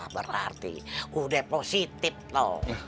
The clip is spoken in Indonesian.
berarti udah positif loh